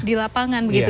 di lapangan begitu